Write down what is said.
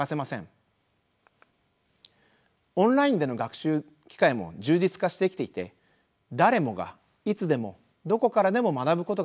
オンラインでの学習機会も充実化してきていて誰もがいつでもどこからでも学ぶことができます。